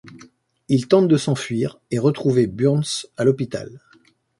Il tente de s'enfuir et retrouver Burns à l'hôpital.